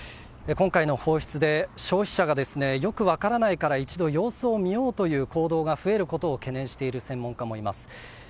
今回の放出で消費者がよく分からないから一度様子を見ようという行動が増えることを懸念している専門家もいます。